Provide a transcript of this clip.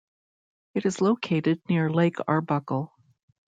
It is located near Lake Arbuckle.